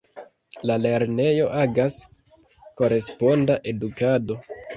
La lernejo agas koresponda edukado.